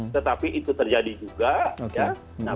tetapi itu terjadi juga